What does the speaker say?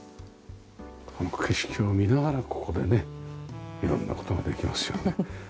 この景色を見ながらここでね色んな事ができますよね。